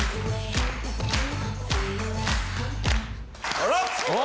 あら！